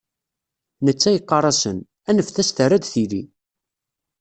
Netta yeqqar-asen: Aneft-as terra-d tili.